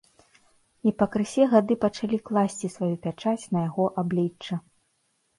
І пакрысе гады пачалі класці сваю пячаць на яго аблічча.